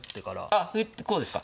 あ歩打ってこうですか。